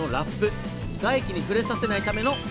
外気に触れさせないための一工夫です。